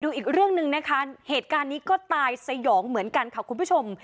อีกเรื่องหนึ่งนะคะเหตุการณ์นี้ก็ตายสยองเหมือนกันค่ะคุณผู้ชม